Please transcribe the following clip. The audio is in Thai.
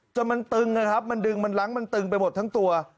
จนมันตึงนะครับมันดึงมันล้างมันตึงไปหมดทั้งตัว